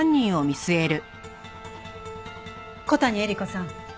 小谷恵理子さん。